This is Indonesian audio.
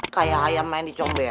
kayak ayam main di congbera